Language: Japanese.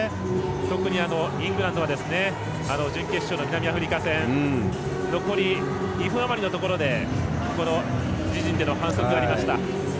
特にイングランドは準決勝の南アフリカ戦残り２分余りのところで自陣での反則がありました。